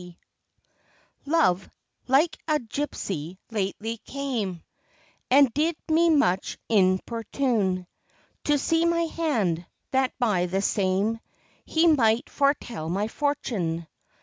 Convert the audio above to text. UPON CUPID Love, like a gipsy, lately came, And did me much importune To see my hand, that by the same He might foretell my fortune.